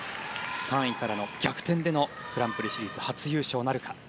３位からの逆転でのグランプリシリーズ初優勝なるか。